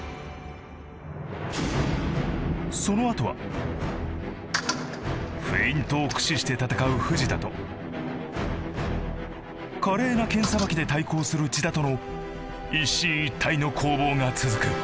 そのあとはフェイントを駆使して戦う藤田と華麗な剣さばきで対抗する千田との一進一退の攻防が続く。